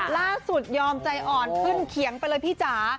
ยอมใจอ่อนขึ้นเขียงไปเลยพี่จ๋า